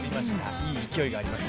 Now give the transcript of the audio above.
いい勢いがあります